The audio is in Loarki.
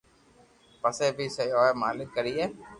پسو بي سھي ھوئي مالڪ ڪرئي